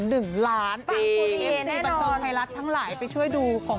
ขึ้นไป๗๐๐๐๐๐แล้วนะ